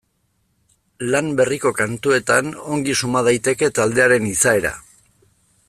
Lan berriko kantuetan ongi suma daiteke taldearen izaera.